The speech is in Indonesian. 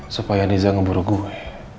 supaya nisa ngeburu gue